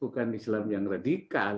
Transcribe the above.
bukan islam yang radikal